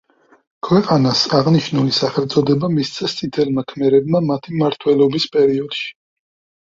ქვეყანას აღნიშნული სახელწოდება მისცეს წითელმა ქმერებმა მათი მმართველობის პერიოდში.